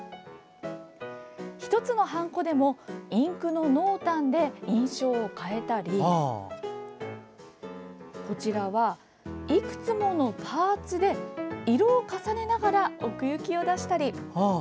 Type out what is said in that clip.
１つのはんこでもインクの濃淡で印象を変えたりこちらは、いくつものパーツで色を重ねながら奥行きを出したり。